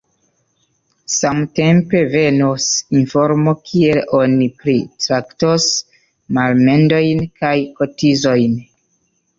Samtempe venos informo, kiel oni pritraktos malmendojn kaj kotizojn.